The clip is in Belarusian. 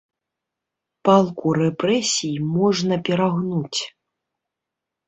Палку рэпрэсій можна перагнуць.